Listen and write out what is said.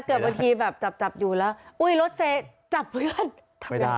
เกือบอาทีจับอยู่แล้วรถเซจับเพื่อน